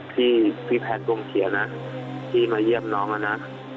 พี่แผนวงเชียร์นะพี่มาเยี่ยมน้องนะ